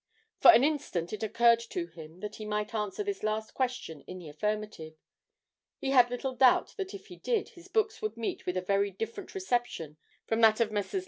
For an instant it occurred to him that he might answer this last question in the affirmative; he had little doubt that if he did his books would meet with a very different reception from that of Messrs.